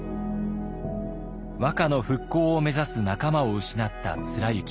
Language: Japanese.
和歌の復興を目指す仲間を失った貫之。